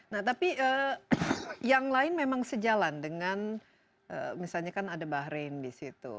nah tapi yang lain memang sejalan dengan misalnya kan ada bahrain di situ